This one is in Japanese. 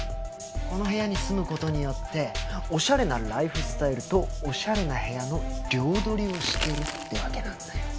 この部屋に住むことによっておしゃれなライフスタイルとおしゃれな部屋の両取りをしてるってわけなんだよ。